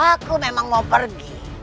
aku memang mau pergi